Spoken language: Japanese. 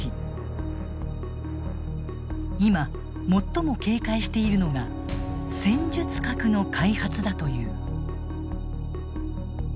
今最も警戒しているのが戦術核の開発だという。